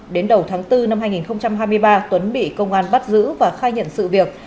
đến đầu tháng bốn năm hai nghìn hai mươi ba tuấn bị công an bắt giữ và khai nhận sự việc